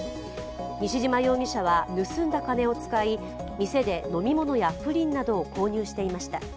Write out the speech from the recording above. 西嶋容疑者は盗んだ金を使い、店で飲み物やプリンなどを購入していました。